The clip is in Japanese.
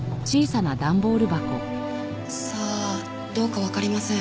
さあどうかわかりません。